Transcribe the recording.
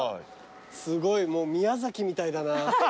すごい。もう宮崎みたいだな。